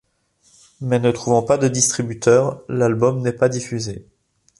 Mais, ne trouvant de distributeur, l'album n'est pas diffusé.